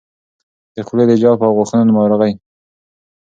د خولې د جوف او غاښونو ناروغۍ